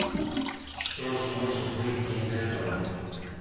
Что ж может выйти из этого?